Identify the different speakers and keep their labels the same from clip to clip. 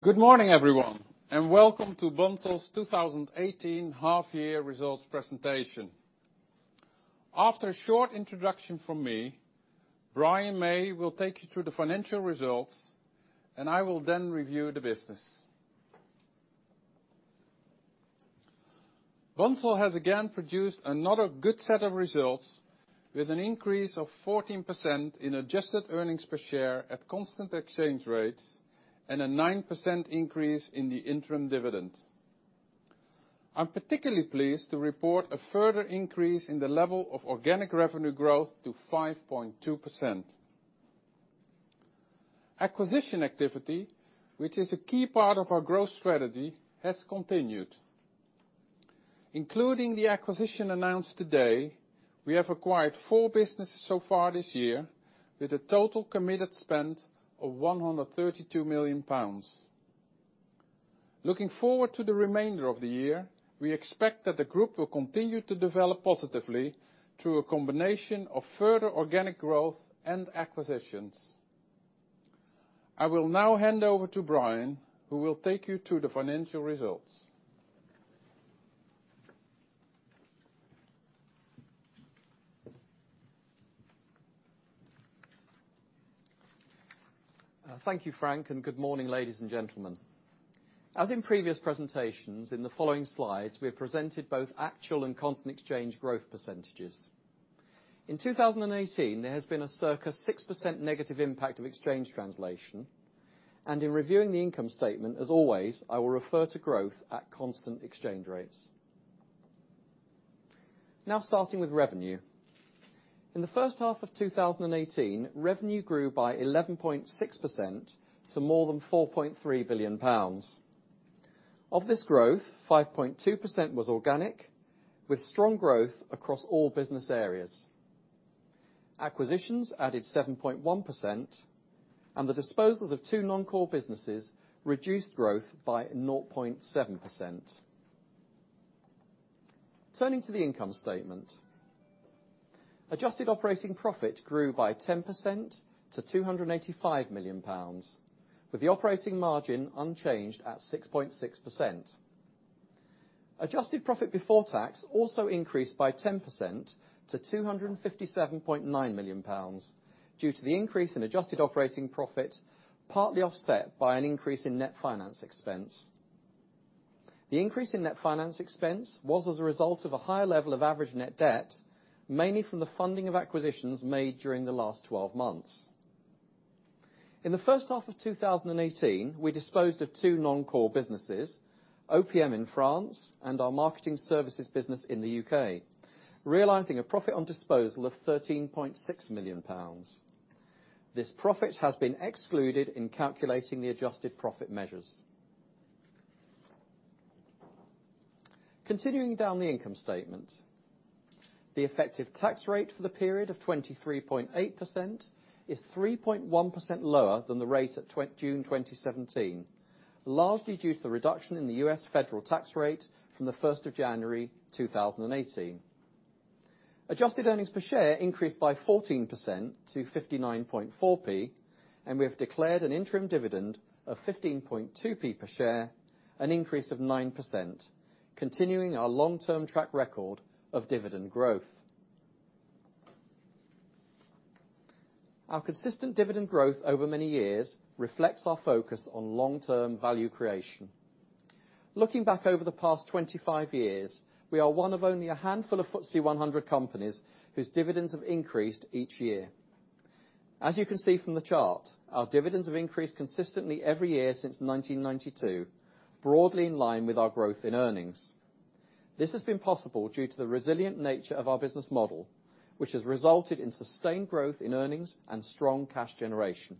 Speaker 1: Good morning, everyone. Welcome to Bunzl's 2018 half year results presentation. After a short introduction from me, Brian May will take you through the financial results, and I will then review the business. Bunzl has again produced another good set of results with an increase of 14% in adjusted earnings per share at constant exchange rates and a 9% increase in the interim dividend. I'm particularly pleased to report a further increase in the level of organic revenue growth to 5.2%. Acquisition activity, which is a key part of our growth strategy, has continued. Including the acquisition announced today, we have acquired four businesses so far this year with a total committed spend of 132 million pounds. Looking forward to the remainder of the year, we expect that the group will continue to develop positively through a combination of further organic growth and acquisitions. I will now hand over to Brian, who will take you to the financial results.
Speaker 2: Thank you, Frank. Good morning, ladies and gentlemen. As in previous presentations, in the following slides, we have presented both actual and constant exchange growth percentages. In 2018, there has been a circa 6% negative impact of exchange translation, and in reviewing the income statement, as always, I will refer to growth at constant exchange rates. Starting with revenue. In the first half of 2018, revenue grew by 11.6% to more than 4.3 billion pounds. Of this growth, 5.2% was organic, with strong growth across all business areas. Acquisitions added 7.1%, and the disposals of two non-core businesses reduced growth by 0.7%. Turning to the income statement. Adjusted operating profit grew by 10% to 285 million pounds, with the operating margin unchanged at 6.6%. Adjusted profit before tax also increased by 10% to 257.9 million pounds due to the increase in adjusted operating profit, partly offset by an increase in net finance expense. The increase in net finance expense was as a result of a higher level of average net debt, mainly from the funding of acquisitions made during the last 12 months. In the first half of 2018, we disposed of two non-core businesses, OPM in France and our marketing services business in the U.K., realizing a profit on disposal of GBP 13.6 million. This profit has been excluded in calculating the adjusted profit measures. Continuing down the income statement. The effective tax rate for the period of 23.8% is 3.1% lower than the rate at June 2017, largely due to the reduction in the U.S. federal tax rate from the 1st of January 2018. Adjusted earnings per share increased by 14% to 0.594, we have declared an interim dividend of 0.152 per share, an increase of 9%, continuing our long-term track record of dividend growth. Our consistent dividend growth over many years reflects our focus on long-term value creation. Looking back over the past 25 years, we are one of only a handful of FTSE 100 companies whose dividends have increased each year. As you can see from the chart, our dividends have increased consistently every year since 1992, broadly in line with our growth in earnings. This has been possible due to the resilient nature of our business model, which has resulted in sustained growth in earnings and strong cash generation.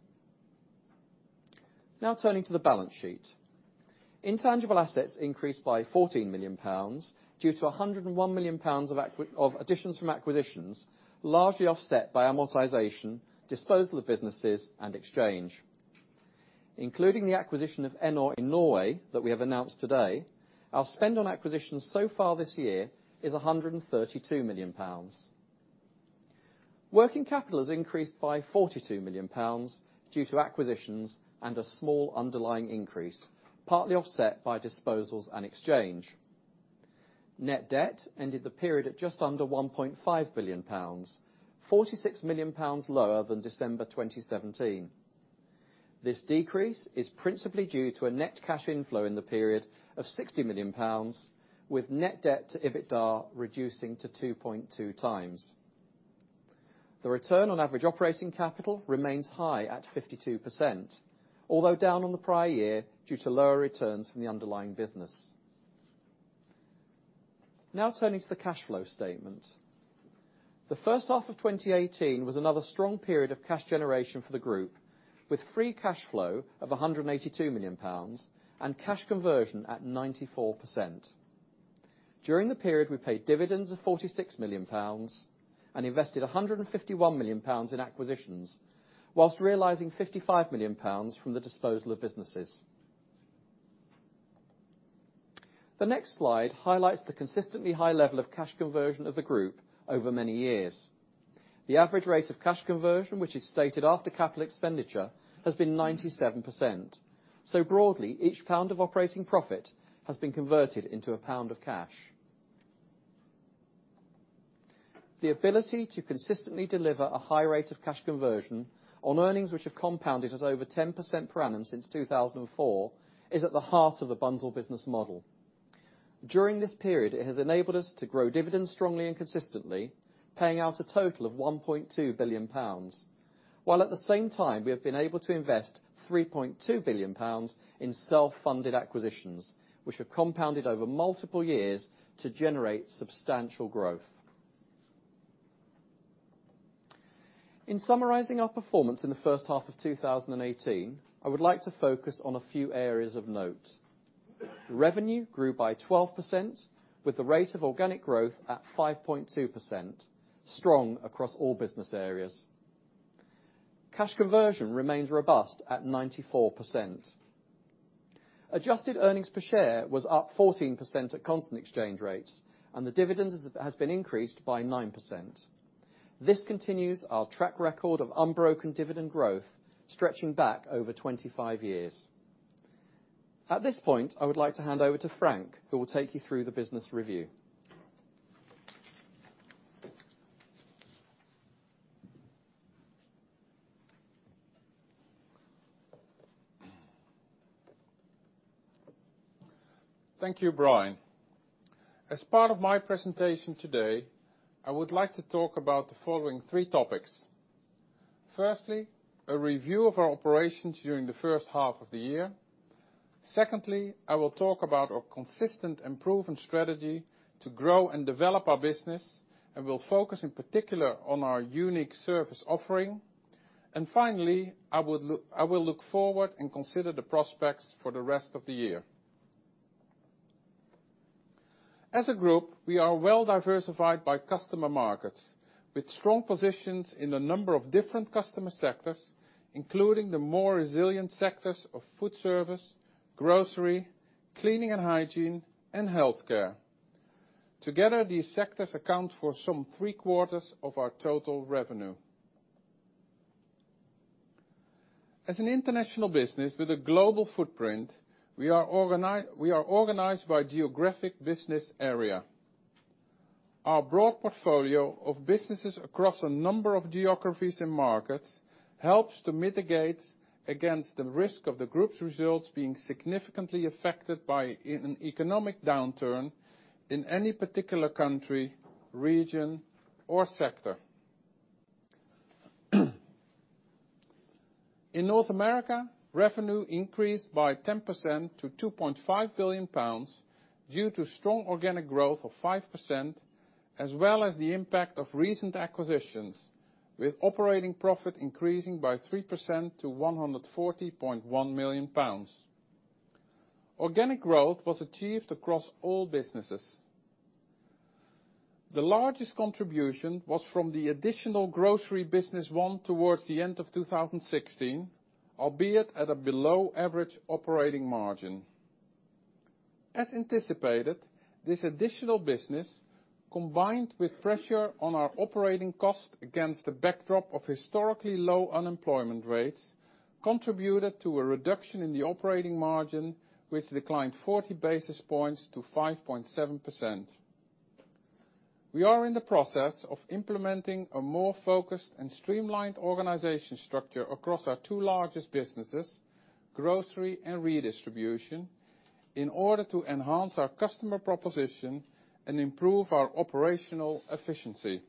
Speaker 2: Now turning to the balance sheet. Intangible assets increased by GBP 14 million due to GBP 101 million of additions from acquisitions, largely offset by amortization, disposal of businesses, and exchange. Including the acquisition of Enor in Norway that we have announced today, our spend on acquisitions so far this year is 132 million pounds. Working capital has increased by 42 million pounds due to acquisitions and a small underlying increase, partly offset by disposals and exchange. Net debt ended the period at just under 1.5 billion pounds, 46 million pounds lower than December 2017. This decrease is principally due to a net cash inflow in the period of 60 million pounds, with net debt to EBITDA reducing to 2.2 times. The return on average operating capital remains high at 52%, although down on the prior year due to lower returns from the underlying business. Now turning to the cash flow statement. The first half of 2018 was another strong period of cash generation for the group, with free cash flow of 182 million pounds and cash conversion at 94%. During the period, we paid dividends of 46 million pounds and invested 151 million pounds in acquisitions, whilst realizing 55 million pounds from the disposal of businesses. The next slide highlights the consistently high level of cash conversion of the group over many years. The average rate of cash conversion, which is stated after capital expenditure, has been 97%. Broadly, each pound of operating profit has been converted into a pound of cash. The ability to consistently deliver a high rate of cash conversion on earnings which have compounded at over 10% per annum since 2004, is at the heart of the Bunzl business model. During this period, it has enabled us to grow dividends strongly and consistently, paying out a total of 1.2 billion pounds. While at the same time, we have been able to invest 3.2 billion pounds in self-funded acquisitions, which have compounded over multiple years to generate substantial growth. In summarizing our performance in the first half of 2018, I would like to focus on a few areas of note. Revenue grew by 12%, with the rate of organic growth at 5.2%, strong across all business areas. Cash conversion remains robust at 94%. Adjusted earnings per share was up 14% at constant exchange rates, the dividend has been increased by 9%. This continues our track record of unbroken dividend growth stretching back over 25 years. At this point, I would like to hand over to Frank, who will take you through the business review.
Speaker 1: Thank you, Brian. As part of my presentation today, I would like to talk about the following three topics. Firstly, a review of our operations during the first half of the year. Secondly, I will talk about our consistent and proven strategy to grow and develop our business, and will focus in particular on our unique service offering. Finally, I will look forward and consider the prospects for the rest of the year. As a group, we are well-diversified by customer markets, with strong positions in a number of different customer sectors, including the more resilient sectors of foodservice, grocery, cleaning and hygiene, and healthcare. Together, these sectors account for some three-quarters of our total revenue. As an international business with a global footprint, we are organized by geographic business area. Our broad portfolio of businesses across a number of geographies and markets helps to mitigate against the risk of the group's results being significantly affected by an economic downturn in any particular country, region, or sector. In North America, revenue increased by 10% to 2.5 billion pounds, due to strong organic growth of 5%, as well as the impact of recent acquisitions, with operating profit increasing by 3% to 140.1 million pounds. Organic growth was achieved across all businesses. The largest contribution was from the additional grocery business won towards the end of 2016, albeit at a below average operating margin. As anticipated, this additional business, combined with pressure on our operating cost against the backdrop of historically low unemployment rates, contributed to a reduction in the operating margin, which declined 40 basis points to 5.7%. We are in the process of implementing a more focused and streamlined organization structure across our two largest businesses, grocery and redistribution, in order to enhance our customer proposition and improve our operational efficiency.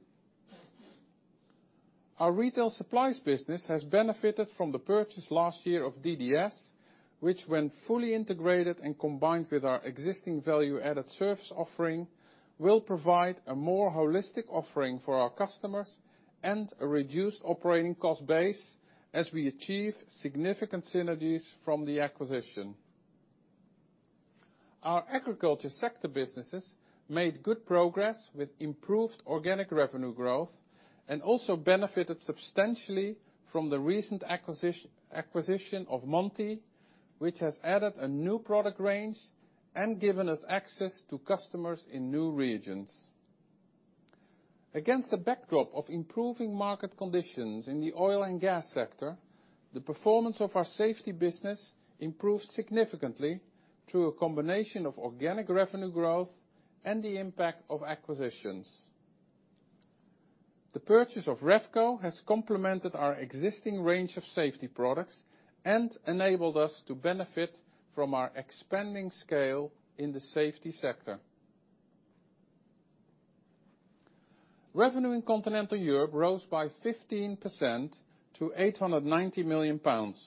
Speaker 1: Our retail supplies business has benefited from the purchase last year of DDS, which when fully integrated and combined with our existing value-added service offering, will provide a more holistic offering for our customers, and a reduced operating cost base as we achieve significant synergies from the acquisition. Our agriculture sector businesses made good progress with improved organic revenue growth, and also benefited substantially from the recent acquisition of Monte, which has added a new product range and given us access to customers in new regions. Against the backdrop of improving market conditions in the oil and gas sector, the performance of our safety business improved significantly through a combination of organic revenue growth and the impact of acquisitions. The purchase of Revco has complemented our existing range of safety products and enabled us to benefit from our expanding scale in the safety sector. Revenue in Continental Europe rose by 15% to 890 million pounds.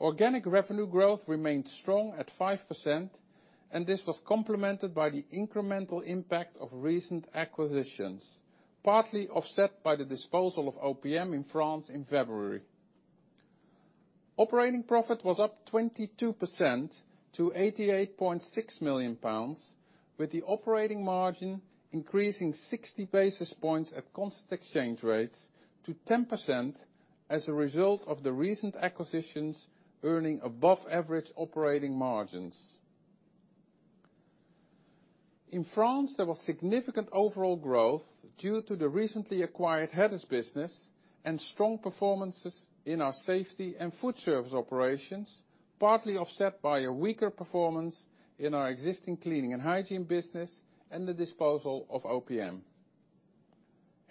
Speaker 1: Organic revenue growth remained strong at 5%, and this was complemented by the incremental impact of recent acquisitions, partly offset by the disposal of OPM in France in February. Operating profit was up 22% to 88.6 million pounds with the operating margin increasing 60 basis points at constant exchange rates to 10% as a result of the recent acquisitions earning above average operating margins. In France, there was significant overall growth due to the recently acquired Hedis business and strong performances in our safety and food service operations, partly offset by a weaker performance in our existing cleaning and hygiene business, and the disposal of OPM.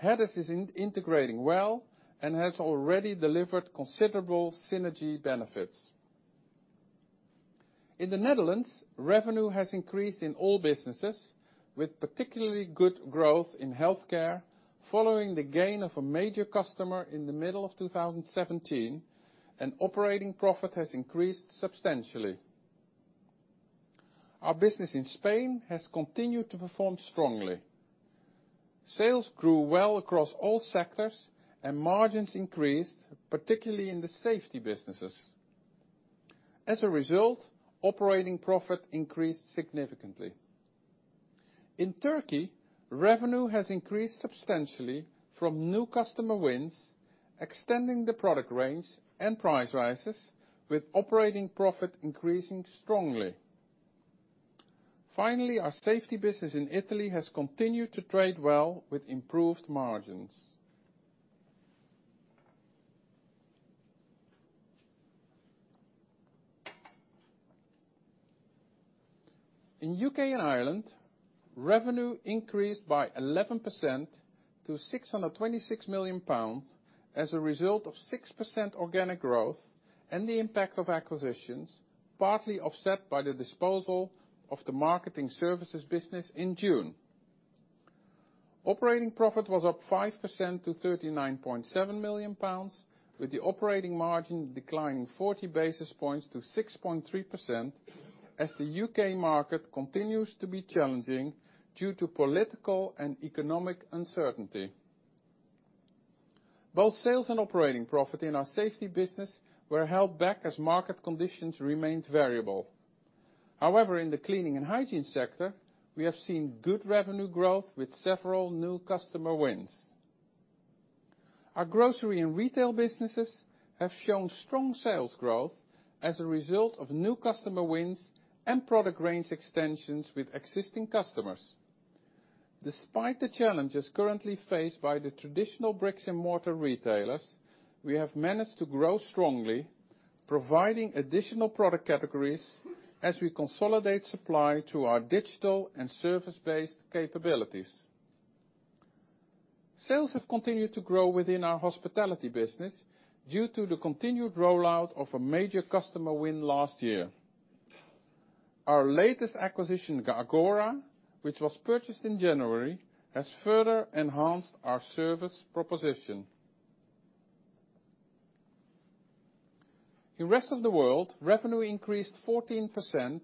Speaker 1: Hedis is integrating well and has already delivered considerable synergy benefits. In the Netherlands, revenue has increased in all businesses, with particularly good growth in healthcare following the gain of a major customer in the middle of 2017, and operating profit has increased substantially. Our business in Spain has continued to perform strongly. Sales grew well across all sectors and margins increased, particularly in the safety businesses. As a result, operating profit increased significantly. In Turkey, revenue has increased substantially from new customer wins, extending the product range and price rises, with operating profit increasing strongly. Finally, our safety business in Italy has continued to trade well with improved margins. In U.K. and Ireland, revenue increased by 11% to 626 million pounds as a result of 6% organic growth and the impact of acquisitions, partly offset by the disposal of the marketing services business in June. Operating profit was up 5% to 39.7 million pounds, with the operating margin declining 40 basis points to 6.3% as the U.K. market continues to be challenging due to political and economic uncertainty. Sales and operating profit in our safety business were held back as market conditions remained variable. In the cleaning and hygiene sector, we have seen good revenue growth with several new customer wins. Our grocery and retail businesses have shown strong sales growth as a result of new customer wins and product range extensions with existing customers. Despite the challenges currently faced by the traditional bricks and mortar retailers, we have managed to grow strongly, providing additional product categories as we consolidate supply to our digital and service-based capabilities. Sales have continued to grow within our hospitality business due to the continued rollout of a major customer win last year. Our latest acquisition, Aggora, which was purchased in January, has further enhanced our service proposition. In Rest of the World, revenue increased 14%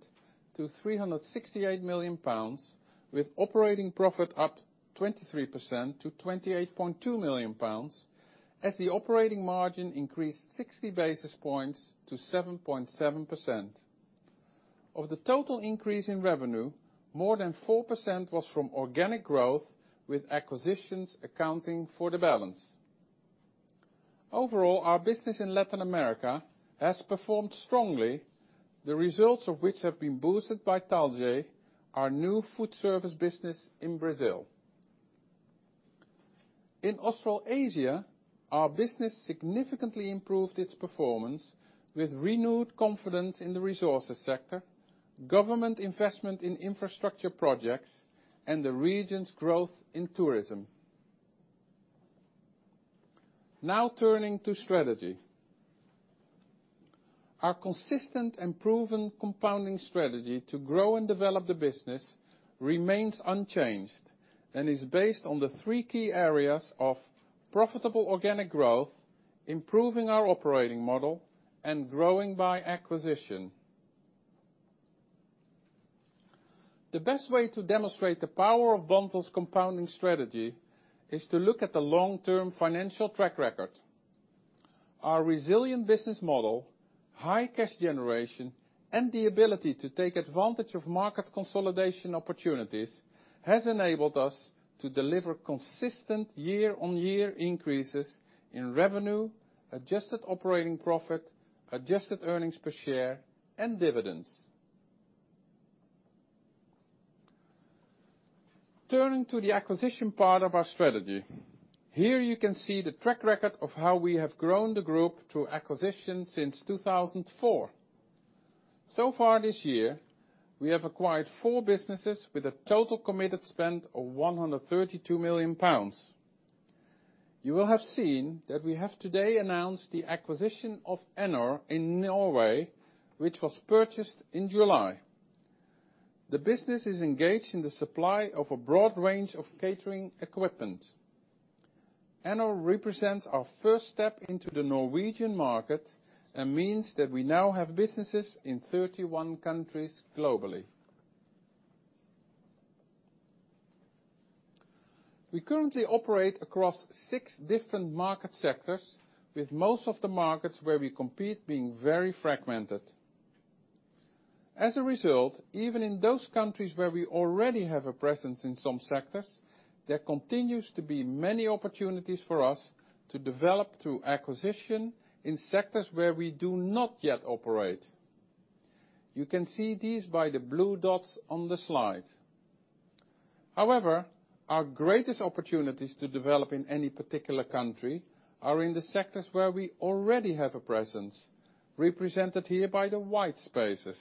Speaker 1: to 368 million pounds, with operating profit up 23% to 28.2 million pounds as the operating margin increased 60 basis points to 7.7%. Of the total increase in revenue, more than 4% was from organic growth, with acquisitions accounting for the balance. Overall, our business in Latin America has performed strongly, the results of which have been boosted by Talge, our new food service business in Brazil. In Australasia, our business significantly improved its performance with renewed confidence in the resources sector, government investment in infrastructure projects, and the region's growth in tourism. Turning to strategy. Our consistent and proven compounding strategy to grow and develop the business remains unchanged and is based on the three key areas of profitable organic growth, improving our operating model, and growing by acquisition. The best way to demonstrate the power of Bunzl's compounding strategy is to look at the long-term financial track record. Our resilient business model, high cash generation, and the ability to take advantage of market consolidation opportunities has enabled us to deliver consistent year-on-year increases in revenue, adjusted operating profit, adjusted earnings per share, and dividends. Turning to the acquisition part of our strategy. Here you can see the track record of how we have grown the group through acquisition since 2004. We have acquired four businesses with a total committed spend of 132 million pounds. You will have seen that we have today announced the acquisition of Enor in Norway, which was purchased in July. The business is engaged in the supply of a broad range of catering equipment. Enor represents our first step into the Norwegian market and means that we now have businesses in 31 countries globally. We currently operate across six different market sectors with most of the markets where we compete being very fragmented. As a result, even in those countries where we already have a presence in some sectors, there continues to be many opportunities for us to develop through acquisition in sectors where we do not yet operate. You can see these by the blue dots on the slide. Our greatest opportunities to develop in any particular country are in the sectors where we already have a presence, represented here by the white spaces.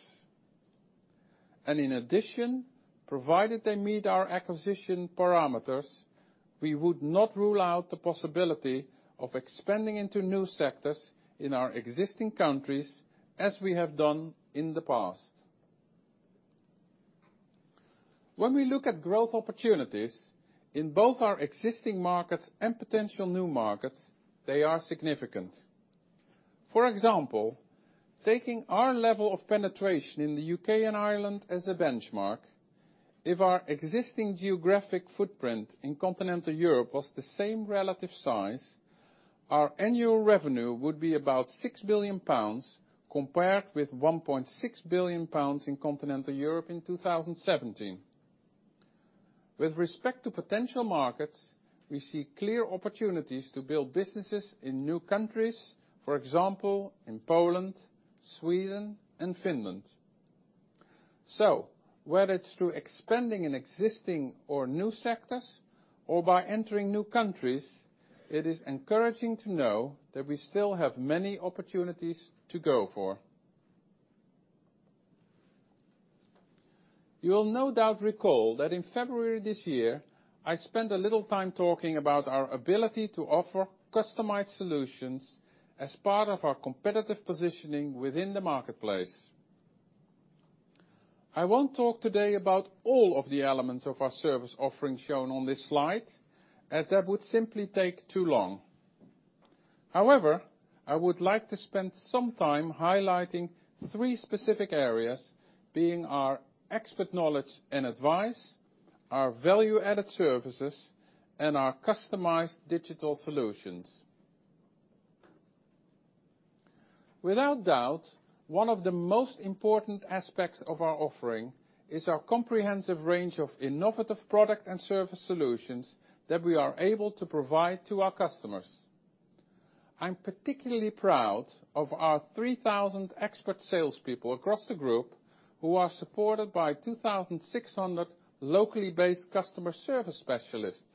Speaker 1: In addition, provided they meet our acquisition parameters, we would not rule out the possibility of expanding into new sectors in our existing countries, as we have done in the past. When we look at growth opportunities, in both our existing markets and potential new markets, they are significant. For example, taking our level of penetration in the U.K. and Ireland as a benchmark, if our existing geographic footprint in Continental Europe was the same relative size, our annual revenue would be about 6 billion pounds compared with 1.6 billion pounds in Continental Europe in 2017. With respect to potential markets, we see clear opportunities to build businesses in new countries, for example, in Poland, Sweden, and Finland. Whether it's through expanding in existing or new sectors or by entering new countries, it is encouraging to know that we still have many opportunities to go for. You will no doubt recall that in February this year, I spent a little time talking about our ability to offer customized solutions as part of our competitive positioning within the marketplace. I won't talk today about all of the elements of our service offering shown on this slide, as that would simply take too long. However, I would like to spend some time highlighting three specific areas being our expert knowledge and advice, our value-added services, and our customized digital solutions. Without doubt, one of the most important aspects of our offering is our comprehensive range of innovative product and service solutions that we are able to provide to our customers. I'm particularly proud of our 3,000 expert salespeople across the group who are supported by 2,600 locally based customer service specialists.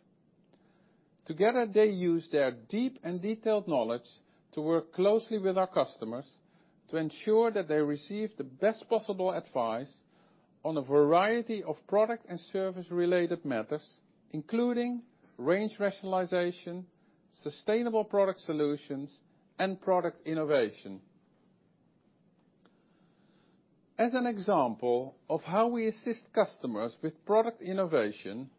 Speaker 1: Together, they use their deep and detailed knowledge to work closely with our customers to ensure that they receive the best possible advice on a variety of product and service-related matters, including range rationalization, sustainable product solutions, and product innovation. As an example of how we assist customers with product innovation,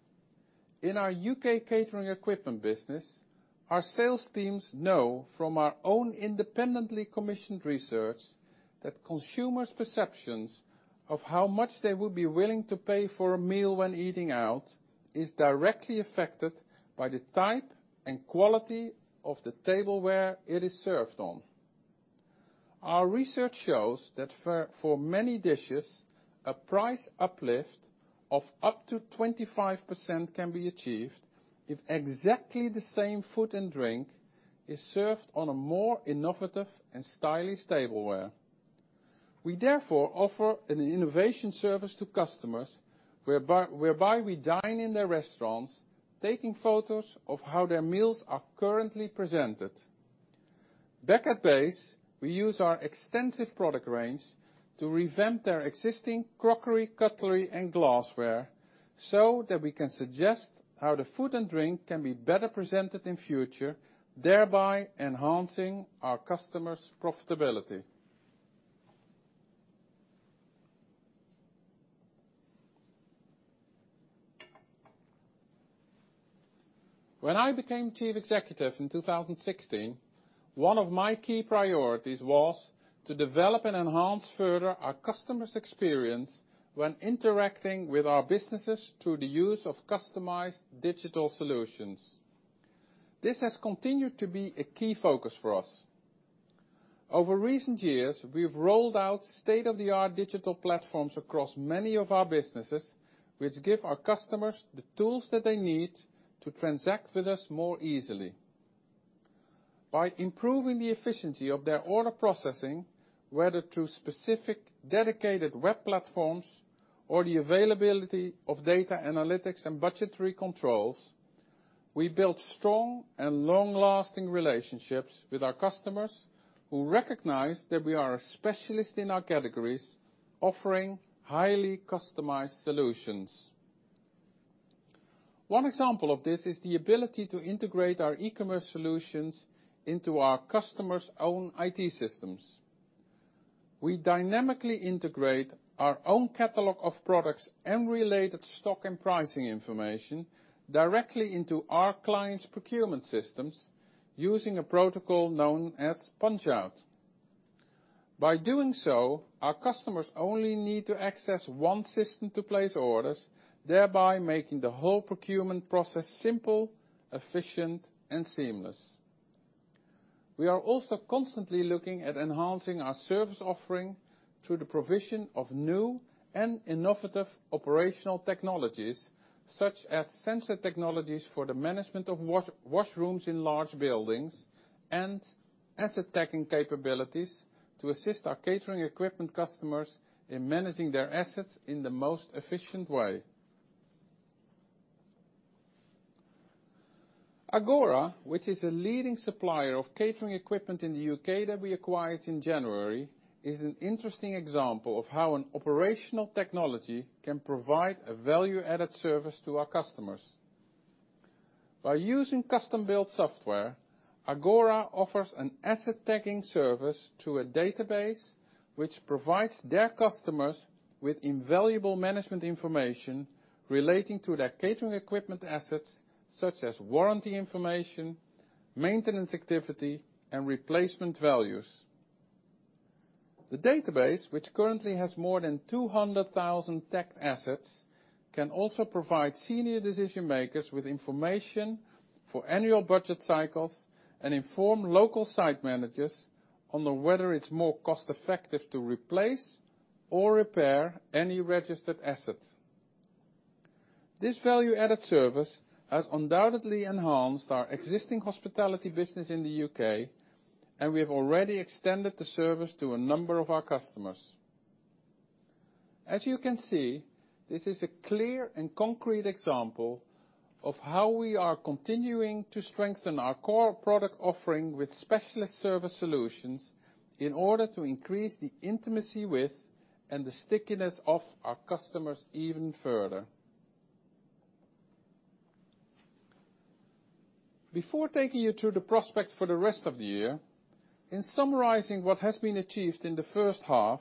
Speaker 1: in our U.K. catering equipment business, our sales teams know from our own independently commissioned research that consumers' perceptions of how much they would be willing to pay for a meal when eating out is directly affected by the type and quality of the tableware it is served on. Our research shows that for many dishes, a price uplift of up to 25% can be achieved if exactly the same food and drink is served on a more innovative and stylish tableware. We therefore offer an innovation service to customers whereby we dine in their restaurants, taking photos of how their meals are currently presented. Back at base, we use our extensive product range to revamp their existing crockery, cutlery, and glassware so that we can suggest how the food and drink can be better presented in future, thereby enhancing our customers' profitability. When I became Chief Executive in 2016, one of my key priorities was to develop and enhance further our customers' experience when interacting with our businesses through the use of customized digital solutions. This has continued to be a key focus for us. Over recent years, we've rolled out state-of-the-art digital platforms across many of our businesses, which give our customers the tools that they need to transact with us more easily. By improving the efficiency of their order processing, whether through specific dedicated web platforms or the availability of data analytics and budgetary controls, we build strong and long-lasting relationships with our customers who recognize that we are a specialist in our categories, offering highly customized solutions. One example of this is the ability to integrate our e-commerce solutions into our customers' own IT systems. We dynamically integrate our own catalog of products and related stock and pricing information directly into our clients' procurement systems using a protocol known as punch-out. By doing so, our customers only need to access one system to place orders, thereby making the whole procurement process simple, efficient, and seamless. We are also constantly looking at enhancing our service offering through the provision of new and innovative operational technologies, such as sensor technologies for the management of washrooms in large buildings and asset tagging capabilities to assist our catering equipment customers in managing their assets in the most efficient way. Aggora, which is a leading supplier of catering equipment in the U.K. that we acquired in January, is an interesting example of how an operational technology can provide a value-added service to our customers. By using custom-built software, Aggora offers an asset tagging service to a database which provides their customers with invaluable management information relating to their catering equipment assets, such as warranty information, maintenance activity, and replacement values. The database, which currently has more than 200,000 tagged assets, can also provide senior decision-makers with information for annual budget cycles and inform local site managers on whether it's more cost-effective to replace or repair any registered assets. This value-added service has undoubtedly enhanced our existing hospitality business in the U.K., and we have already extended the service to a number of our customers. As you can see, this is a clear and concrete example of how we are continuing to strengthen our core product offering with specialist service solutions in order to increase the intimacy with and the stickiness of our customers even further. Before taking you to the prospects for the rest of the year, in summarizing what has been achieved in the first half,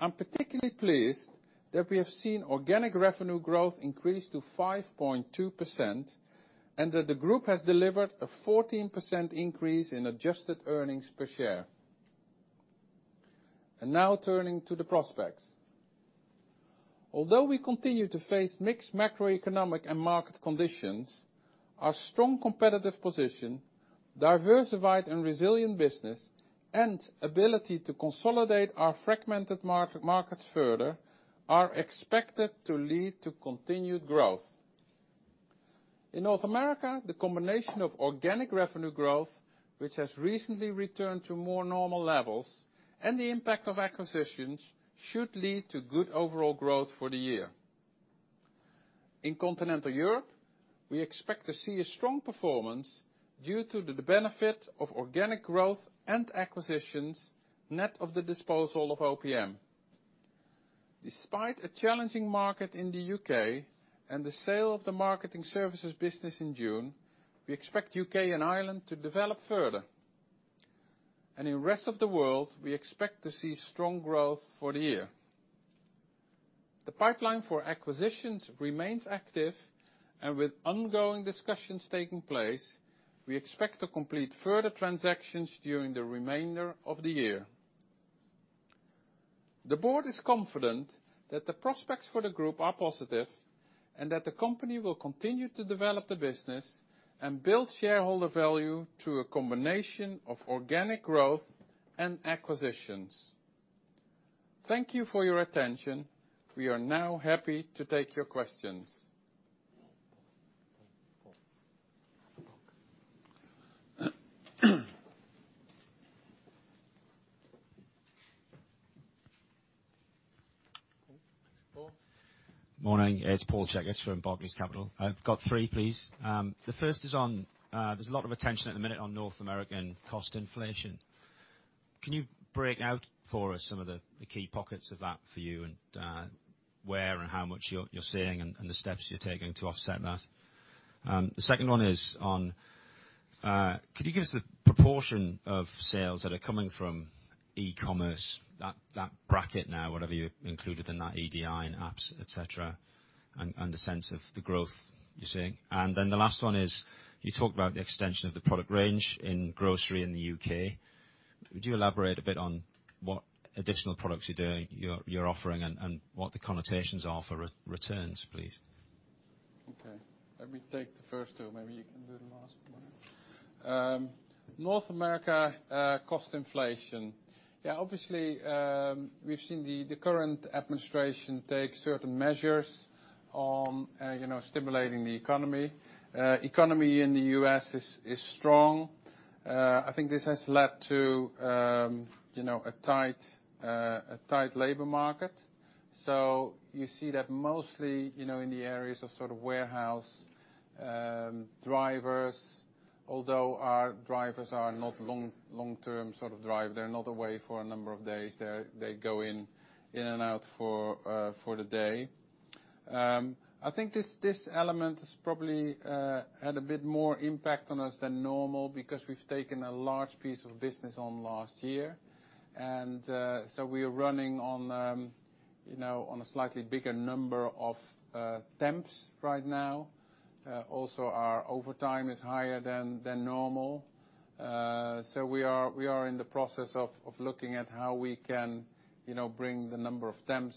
Speaker 1: I am particularly pleased that we have seen organic revenue growth increase to 5.2% and that the group has delivered a 14% increase in adjusted earnings per share. Now turning to the prospects. Although we continue to face mixed macroeconomic and market conditions, our strong competitive position, diversified and resilient business, and ability to consolidate our fragmented markets further are expected to lead to continued growth. In North America, the combination of organic revenue growth, which has recently returned to more normal levels, and the impact of acquisitions should lead to good overall growth for the year. In Continental Europe, we expect to see a strong performance due to the benefit of organic growth and acquisitions, net of the disposal of OPM. Despite a challenging market in the U.K. and the sale of the marketing services business in June, we expect U.K. and Ireland to develop further. In Rest of the World, we expect to see strong growth for the year. The pipeline for acquisitions remains active and with ongoing discussions taking place, we expect to complete further transactions during the remainder of the year. The board is confident that the prospects for the group are positive and that the company will continue to develop the business and build shareholder value through a combination of organic growth and acquisitions. Thank you for your attention. We are now happy to take your questions. Paul.
Speaker 3: Morning. It's Paul Checketts from Barclays Capital. I've got three, please. The first is on, there's a lot of attention at the minute on North American cost inflation. Can you break out for us some of the key pockets of that for you and where and how much you're seeing and the steps you're taking to offset that? The second one is on, could you give us the proportion of sales that are coming from e-commerce, that bracket now, whatever you included in that EDI and apps, et cetera, and the sense of the growth you're seeing? The last one is, you talked about the extension of the product range in grocery in the U.K. Could you elaborate a bit on what additional products you're offering and what the connotations are for returns, please?
Speaker 1: Okay. Let me take the first two. Maybe you can do the last one. North America cost inflation. Yeah, obviously, we've seen the current administration take certain measures on stimulating the economy. Economy in the U.S. is strong. I think this has led to a tight labor market. You see that mostly in the areas of warehouse drivers. Although our drivers are not long-term sort of drive, they're not away for a number of days. They go in and out for the day. I think this element has probably had a bit more impact on us than normal because we've taken a large piece of business on last year. We are running on a slightly bigger number of temps right now. Also, our overtime is higher than normal. We are in the process of looking at how we can bring the number of temps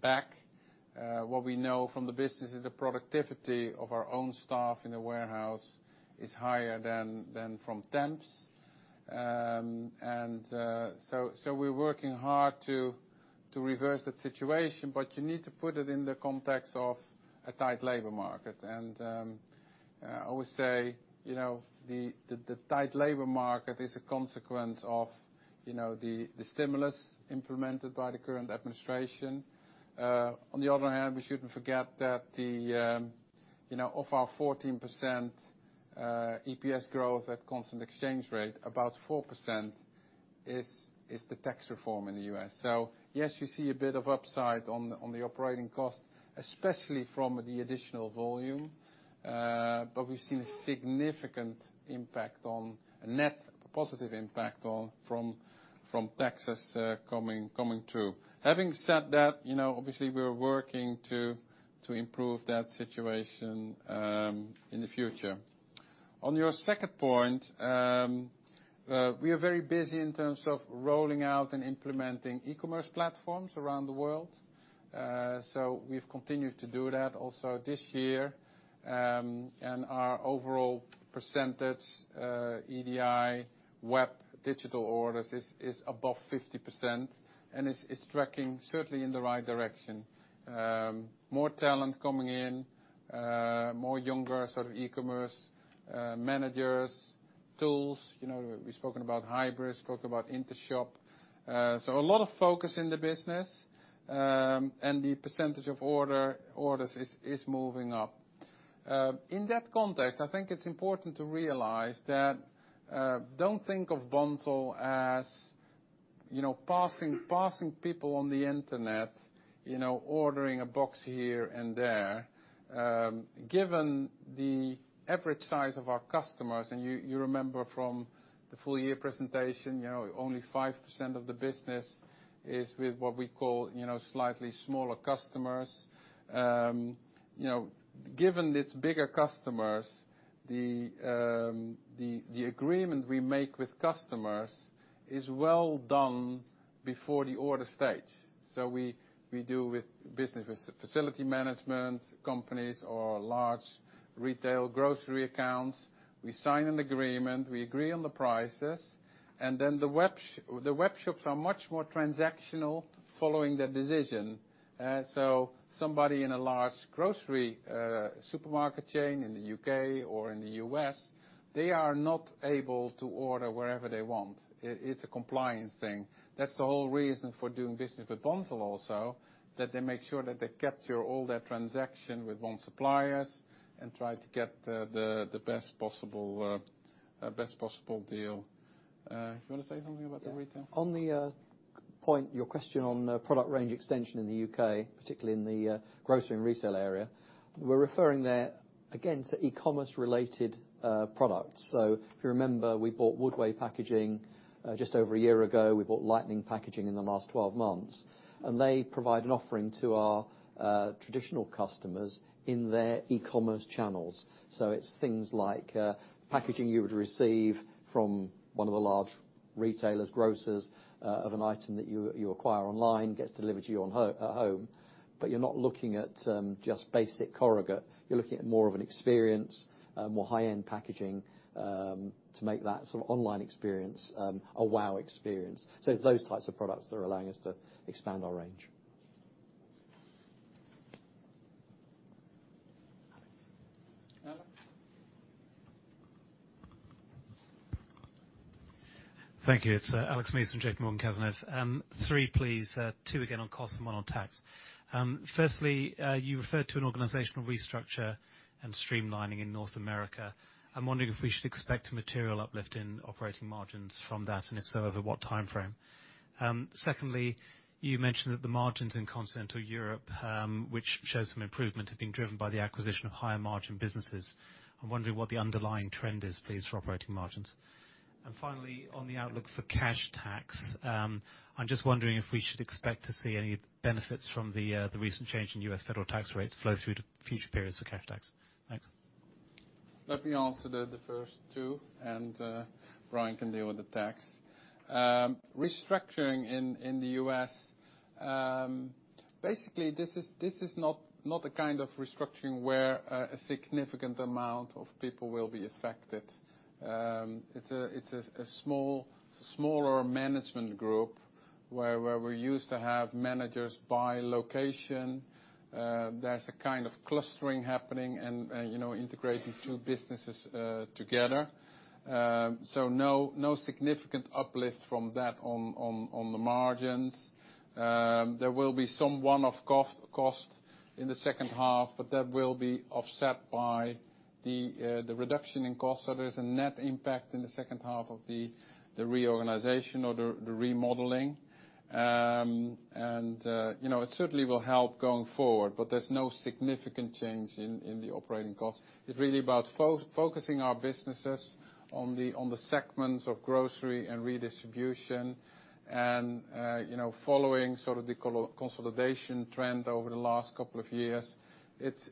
Speaker 1: back. What we know from the business is the productivity of our own staff in the warehouse is higher than from temps. We're working hard to reverse that situation, but you need to put it in the context of a tight labor market. I always say, the tight labor market is a consequence of the stimulus implemented by the current administration. On the other hand, we shouldn't forget that of our 14% EPS growth at constant exchange rate, about 4% is the tax reform in the U.S. Yes, you see a bit of upside on the operating cost, especially from the additional volume. We've seen a significant impact, a net positive impact from taxes coming through. Having said that, obviously we're working to improve that situation in the future. On your second point, we are very busy in terms of rolling out and implementing e-commerce platforms around the world. We've continued to do that also this year. Our overall percentage, EDI, web, digital orders, is above 50%, and is tracking certainly in the right direction. More talent coming in, more younger sort of e-commerce managers, tools. We've spoken about Hybris, spoke about Intershop. A lot of focus in the business, and the percentage of orders is moving up. In that context, I think it's important to realize that, don't think of Bunzl as passing people on the internet ordering a box here and there. Given the average size of our customers, and you remember from the full year presentation, only 5% of the business is with what we call slightly smaller customers. Given it's bigger customers, the agreement we make with customers is well done before the order stage. We deal with business facility management companies or large retail grocery accounts. We sign an agreement, we agree on the prices, and then the webshops are much more transactional following that decision. Somebody in a large grocery supermarket chain in the U.K. or in the U.S., they are not able to order whatever they want. It's a compliance thing. That's the whole reason for doing business with Bunzl also, that they make sure that they capture all their transaction with one suppliers and try to get the best possible deal. You want to say something about the retail?
Speaker 2: On the point, your question on product range extension in the U.K., particularly in the grocery and retail area. We're referring there again, to e-commerce related products. If you remember, we bought Woodway Packaging just over a year ago. We bought Lightning Packaging in the last 12 months. They provide an offering to our traditional customers in their e-commerce channels. It's things like, packaging you would receive from one of the large retailers, grocers, of an item that you acquire online, gets delivered to you at home. You're not looking at just basic corrugate. You're looking at more of an experience, more high-end packaging, to make that sort of online experience a wow experience. It's those types of products that are allowing us to expand our range.
Speaker 1: Alex.
Speaker 4: Thank you. It's Alex Muse from JPMorgan Cazenove. Three please, two again on cost and one on tax. Firstly, you referred to an organizational restructure and streamlining in North America. I'm wondering if we should expect a material uplift in operating margins from that, and if so, over what time frame? Secondly, you mentioned that the margins in Continental Europe, which shows some improvement, have been driven by the acquisition of higher margin businesses. I'm wondering what the underlying trend is, please, for operating margins. Finally, on the outlook for cash tax, I'm just wondering if we should expect to see any benefits from the recent change in U.S. federal tax rates flow through to future periods for cash tax. Thanks.
Speaker 1: Let me answer the first two and Brian can deal with the tax. Restructuring in the U.S., basically, this is not a kind of restructuring where a significant amount of people will be affected. It's a smaller management group where we used to have managers by location. There's a kind of clustering happening and integrating two businesses together. No significant uplift from that on the margins. There will be some one-off cost in the second half, but that will be offset by the reduction in costs, there's a net impact in the second half of the reorganization or the remodeling. It certainly will help going forward, but there's no significant change in the operating costs. It's really about focusing our businesses on the segments of grocery and redistribution and following sort of the consolidation trend over the last couple of years.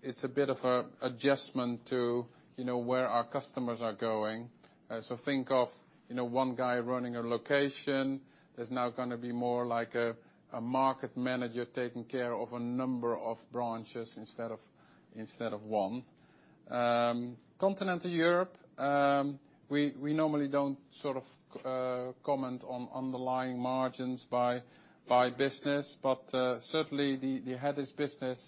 Speaker 1: It's a bit of an adjustment to where our customers are going. Think of one guy running a location. There's now going to be more like a market manager taking care of a number of branches instead of one. Continental Europe, we normally don't comment on underlying margins by business. Certainly, the Hedis business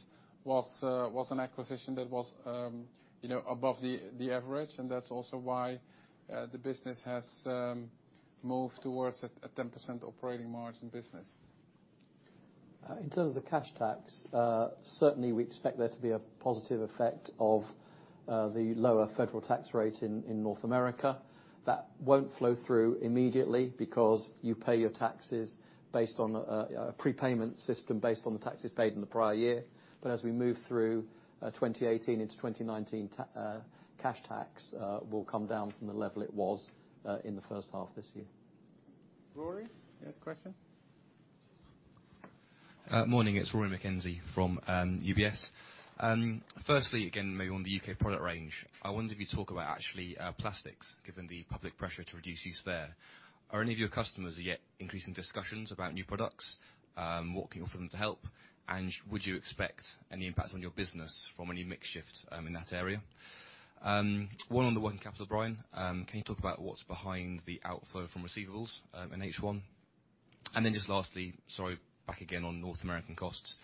Speaker 1: was an acquisition that was above the average, and that's also why the business has moved towards a 10% operating margin business.
Speaker 2: In terms of the cash tax, certainly we expect there to be a positive effect of the lower federal tax rate in North America. That won't flow through immediately because you pay your taxes based on a prepayment system based on the taxes paid in the prior year. As we move through 2018 into 2019, cash tax will come down from the level it was in the first half of this year.
Speaker 1: Rory, you had a question?
Speaker 5: Morning, it's Rory McKenzie from UBS. Firstly, again, maybe on the U.K. product range, I wonder if you'd talk about actually plastics, given the public pressure to reduce use there. Are any of your customers yet increasing discussions about new products? What can you offer them to help? Would you expect any impact on your business from any mix shift in that area? One on the working capital, Brian. Can you talk about what's behind the outflow from receivables in H1? Just lastly, sorry, back again on North American costs.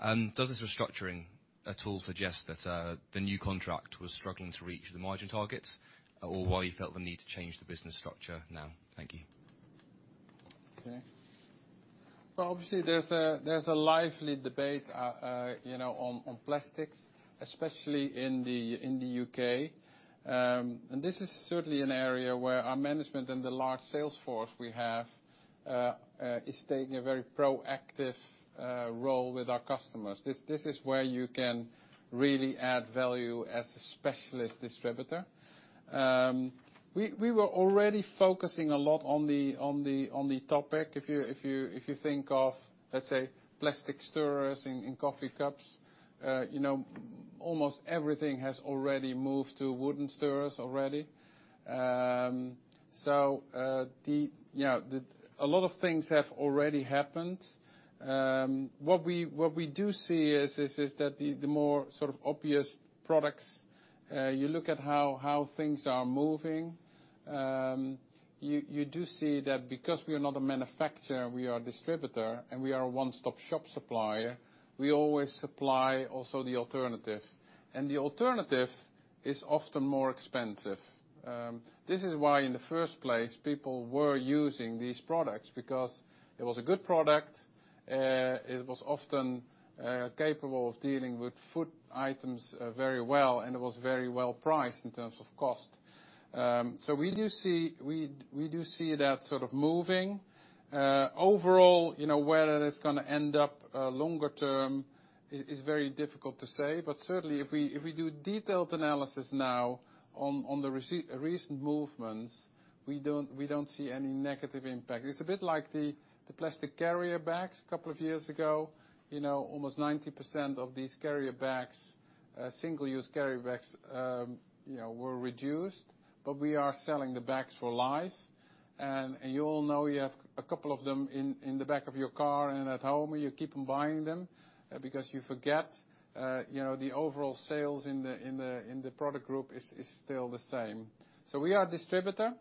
Speaker 5: Does this restructuring at all suggest that the new contract was struggling to reach the margin targets, or why you felt the need to change the business structure now? Thank you.
Speaker 1: Okay. Well, obviously, there's a lively debate on plastics, especially in the U.K. This is certainly an area where our management and the large sales force we have is taking a very proactive role with our customers. This is where you can really add value as a specialist distributor. We were already focusing a lot on the topic. If you think of, let's say, plastic stirrers in coffee cups, almost everything has already moved to wooden stirrers already. A lot of things have already happened. What we do see is that the more sort of obvious products, you look at how things are moving. You do see that because we are not a manufacturer, we are a distributor, and we are a one-stop shop supplier, we always supply also the alternative. The alternative is often more expensive. This is why in the first place, people were using these products because it was a good product, it was often capable of dealing with food items very well, and it was very well priced in terms of cost. We do see that sort of moving. Overall, where that is going to end up longer term is very difficult to say. Certainly, if we do detailed analysis now on the recent movements, we don't see any negative impact. It's a bit like the plastic carrier bags a couple of years ago. Almost 90% of these carrier bags, single-use carrier bags, were reduced. We are selling the bags for life. You all know you have a couple of them in the back of your car and at home. You keep on buying them because you forget the overall sales in the product group is still the same. We are a distributor.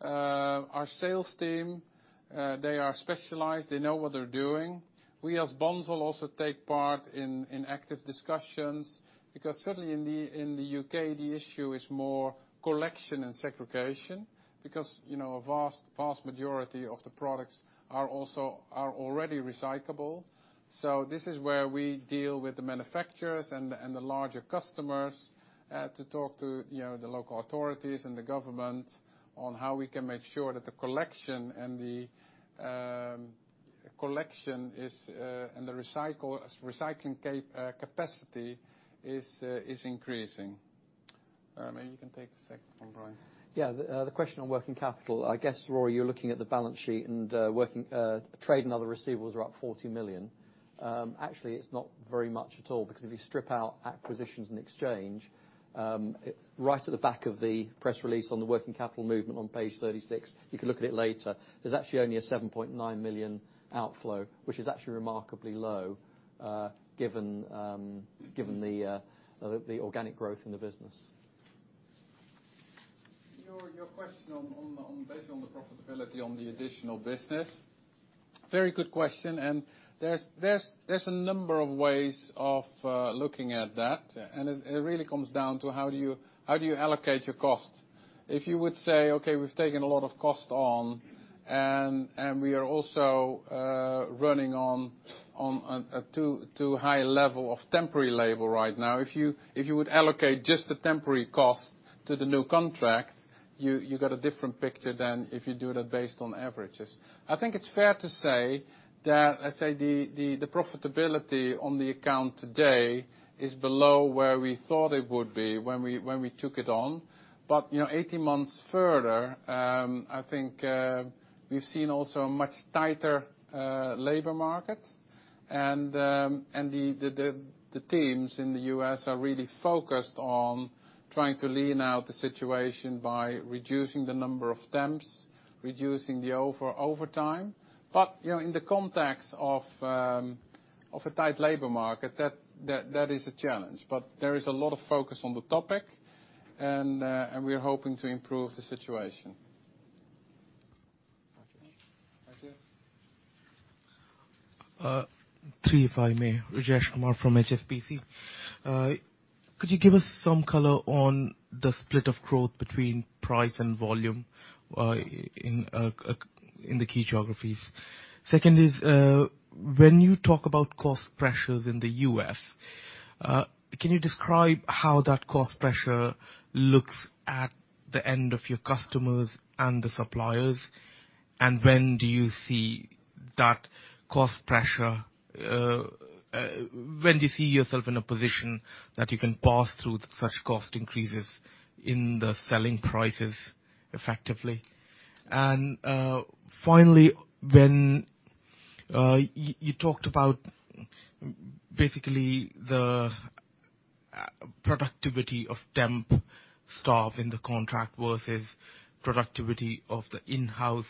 Speaker 1: Our sales team, they are specialized. They know what they're doing. We as Bunzl also take part in active discussions because certainly in the U.K., the issue is more collection and segregation because a vast majority of the products are already recyclable. This is where we deal with the manufacturers and the larger customers to talk to the local authorities and the government on how we can make sure that the collection and the recycling capacity is increasing. Maybe you can take a second on Brian.
Speaker 2: The question on working capital. I guess, Rory, you're looking at the balance sheet and trade and other receivables are up 40 million. Actually, it's not very much at all because if you strip out acquisitions and exchange, right at the back of the press release on the working capital movement on page 36, you can look at it later. There's actually only a 7.9 million outflow, which is actually remarkably low given the organic growth in the business.
Speaker 1: Your question on the profitability on the additional business, very good question. There's a number of ways of looking at that, and it really comes down to how do you allocate your costs. If you would say, okay, we've taken a lot of cost on, and we are also running on a too high level of temporary labor right now. If you would allocate just the temporary cost to the new contract, you get a different picture than if you do that based on averages. I think it's fair to say that, let's say the profitability on the account today is below where we thought it would be when we took it on. 18 months further, I think we've seen also a much tighter labor market. The teams in the U.S. are really focused on trying to lean out the situation by reducing the number of temps, reducing the overtime. In the context of a tight labor market, that is a challenge. There is a lot of focus on the topic, and we are hoping to improve the situation. Okay. Thank you.
Speaker 6: Three, if I may. Rajesh Kumar from HSBC. Could you give us some color on the split of growth between price and volume in the key geographies? Second is, when you talk about cost pressures in the U.S., can you describe how that cost pressure looks at the end of your customers and the suppliers? When do you see yourself in a position that you can pass through such cost increases in the selling prices effectively? Finally, when you talked about basically the productivity of temp staff in the contract versus productivity of the in-house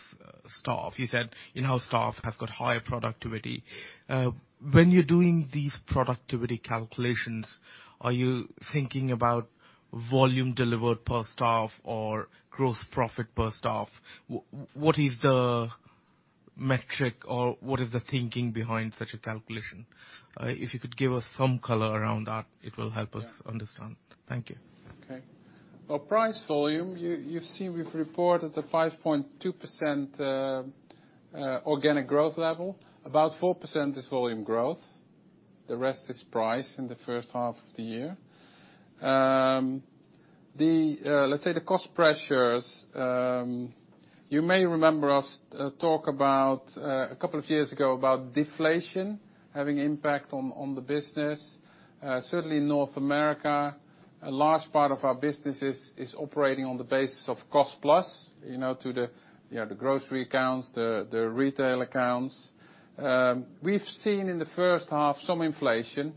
Speaker 6: staff. You said in-house staff have got higher productivity. When you're doing these productivity calculations, are you thinking about volume delivered per staff or gross profit per staff? What is the metric or what is the thinking behind such a calculation? If you could give us some color around that, it will help us understand. Thank you.
Speaker 1: Okay. Well, price volume, you've seen we've reported a 5.2% organic growth level. About 4% is volume growth. The rest is price in the first half of the year. Let's say the cost pressures, you may remember us talk about, a couple of years ago, about deflation having impact on the business. Certainly North America, a large part of our business is operating on the basis of cost-plus to the grocery accounts, the retail accounts. We've seen in the first half some inflation,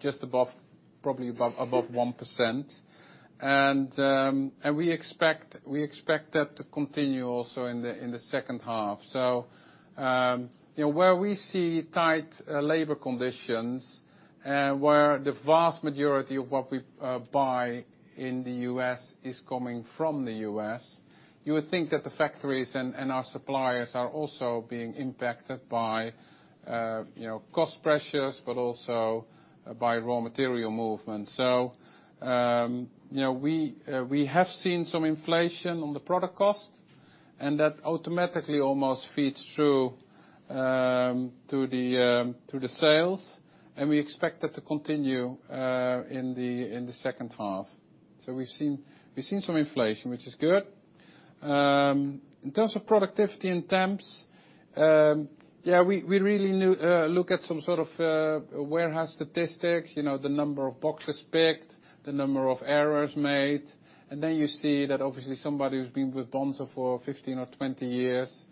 Speaker 1: just probably above 1%. We expect that to continue also in the second half. Where we see tight labor conditions, where the vast majority of what we buy in the U.S. is coming from the U.S., you would think that the factories and our suppliers are also being impacted by cost pressures, but also by raw material movement. We have seen some inflation on the product cost, and that automatically almost feeds through to the sales. We expect that to continue in the second half. We've seen some inflation, which is good. In terms of productivity in temps, we really look at some sort of warehouse statistics, the number of boxes picked, the number of errors made. Then you see that obviously somebody who's been with Bunzl for 15 or 20 years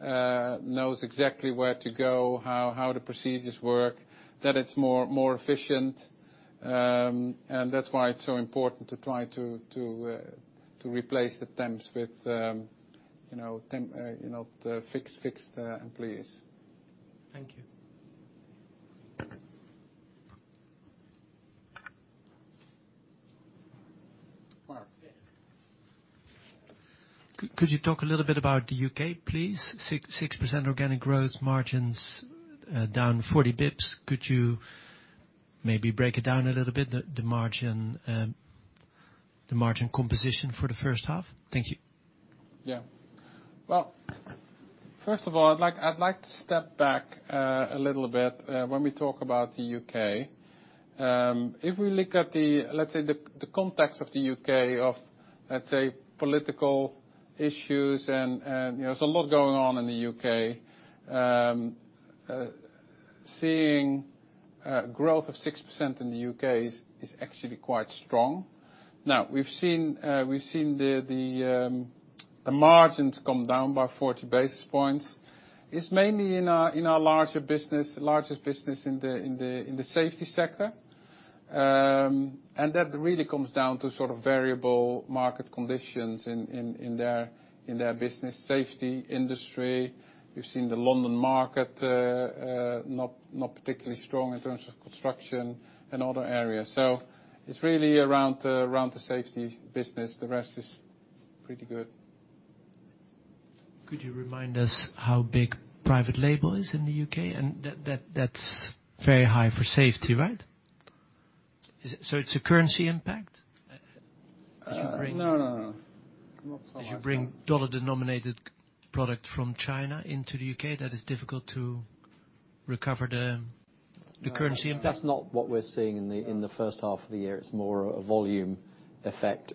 Speaker 1: knows exactly where to go, how the procedures work, that it's more efficient. That's why it's so important to try to replace the temps with fixed employees.
Speaker 6: Thank you.
Speaker 1: Mark.
Speaker 7: Could you talk a little bit about the U.K., please? 6% organic growth margins down 40 basis points. Could you maybe break it down a little bit, the margin composition for the first half? Thank you.
Speaker 1: Well, first of all, I'd like to step back a little bit when we talk about the U.K. If we look at the, let's say, the context of the U.K. of, let's say, political issues, there's a lot going on in the U.K. Seeing growth of 6% in the U.K. is actually quite strong. Now, we've seen the margins come down by 40 basis points. It's mainly in our largest business in the safety sector. That really comes down to sort of variable market conditions in their business safety industry. You've seen the London market not particularly strong in terms of construction and other areas. It's really around the safety business. The rest is pretty good.
Speaker 7: Could you remind us how big private label is in the U.K.? That's very high for safety, right? It's a currency impact?
Speaker 2: No, not so much.
Speaker 7: You bring dollar-denominated product from China into the U.K., that is difficult to recover the currency impact?
Speaker 2: That's not what we're seeing in the first half of the year. It's more a volume effect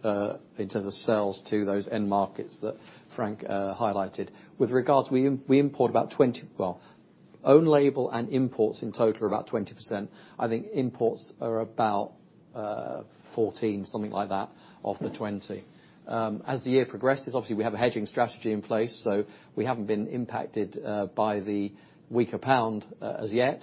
Speaker 2: into the sales to those end markets that Frank highlighted. With regards, own label and imports in total are about 20%. I think imports are about 14, something like that, of the 20. The year progresses, obviously we have a hedging strategy in place, so we haven't been impacted by the weaker pound as yet.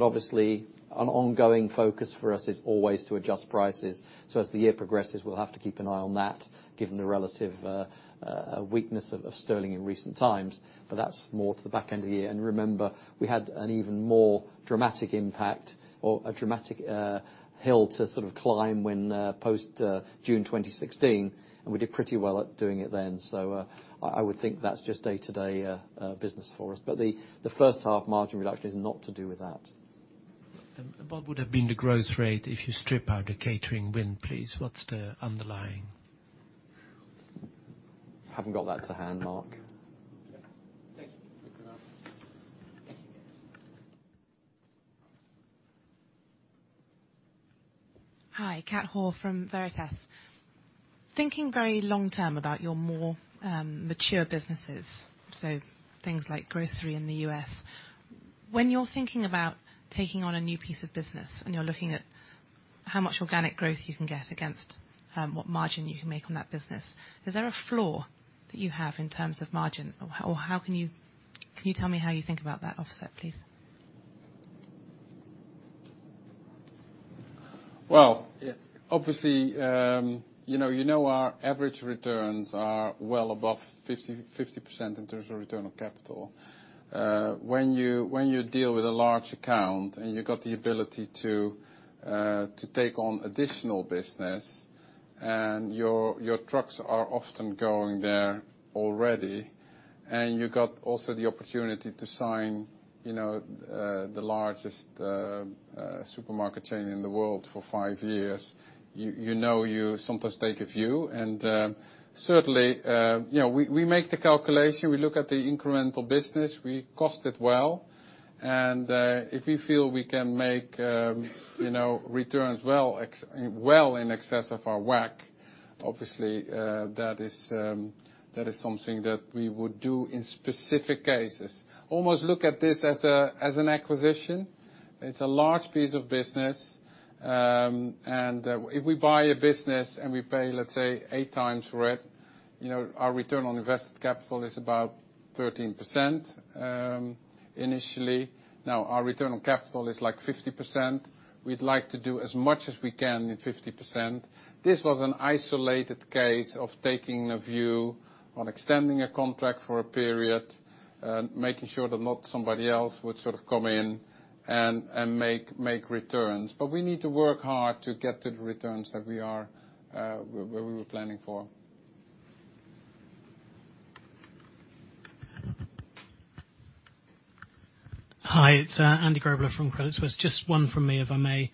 Speaker 2: Obviously, an ongoing focus for us is always to adjust prices. As the year progresses, we'll have to keep an eye on that given the relative weakness of sterling in recent times. That's more to the back end of the year. Remember, we had an even more dramatic impact or a dramatic hill to sort of climb when post June 2016, and we did pretty well at doing it then. I would think that's just day-to-day business for us. The first half margin reduction is not to do with that.
Speaker 7: What would have been the growth rate if you strip out the catering win, please? What's the underlying?
Speaker 2: Haven't got that to hand, Mark.
Speaker 7: Thank you.
Speaker 2: Good enough.
Speaker 7: Thank you.
Speaker 8: Hi, Cat Hall from Veritas. Thinking very long-term about your more mature businesses, so things like grocery in the U.S. When you're thinking about taking on a new piece of business and you're looking at how much organic growth you can get against what margin you can make on that business, is there a floor that you have in terms of margin? Can you tell me how you think about that offset, please?
Speaker 1: Well, obviously, you know our average returns are well above 50% in terms of return on capital. When you deal with a large account and you've got the ability to take on additional business and your trucks are often going there already, and you got also the opportunity to sign the largest supermarket chain in the world for five years, you know you sometimes take a view. Certainly, we make the calculation. We look at the incremental business. We cost it well. If we feel we can make returns well in excess of our WACC, obviously, that is something that we would do in specific cases. Almost look at this as an acquisition. It's a large piece of business. If we buy a business and we pay, let's say, eight times for it, our return on invested capital is about 13% initially. Now our return on capital is like 50%. We'd like to do as much as we can in 50%. This was an isolated case of taking a view on extending a contract for a period and making sure that not somebody else would sort of come in and make returns. We need to work hard to get the returns that we were planning for.
Speaker 9: Hi, it's Andy Grebler from Credit Suisse. Just one from me, if I may.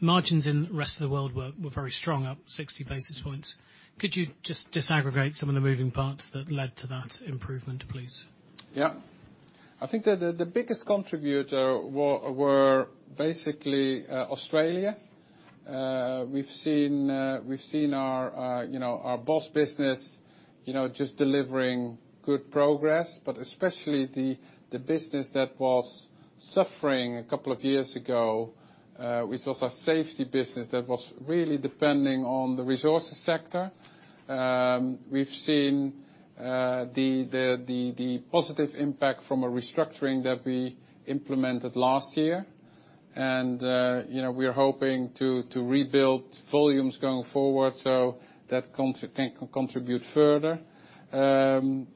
Speaker 9: Margins in the Rest of the World were very strong, up 60 basis points. Could you just disaggregate some of the moving parts that led to that improvement, please?
Speaker 1: Yeah. I think that the biggest contributor were basically Australia. We've seen our Boss business just delivering good progress, but especially the business that was suffering a couple of years ago, which was our safety business that was really depending on the resources sector. We've seen the positive impact from a restructuring that we implemented last year. We are hoping to rebuild volumes going forward so that can contribute further.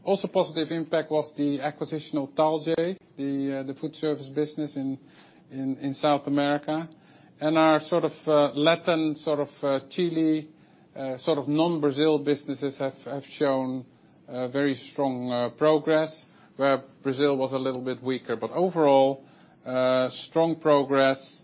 Speaker 1: Also positive impact was the acquisition of Talge, the food service business in South America. Our sort of Latin, Chile, sort of non-Brazil businesses have shown very strong progress. Where Brazil was a little bit weaker. Overall, strong progress.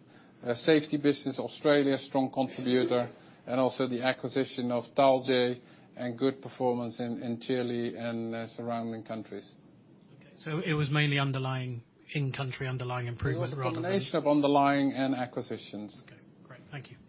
Speaker 1: Safety business, Australia, strong contributor, also the acquisition of Talge and good performance in Chile and surrounding countries.
Speaker 9: Okay, it was mainly in country underlying improvement rather than-
Speaker 1: It was a combination of underlying and acquisitions.
Speaker 9: Okay, great. Thank you.